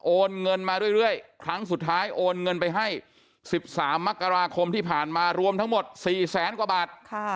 เงินมาเรื่อยครั้งสุดท้ายโอนเงินไปให้๑๓มกราคมที่ผ่านมารวมทั้งหมด๔แสนกว่าบาท